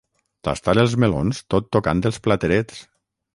Tastar els melons tot tocant els platerets.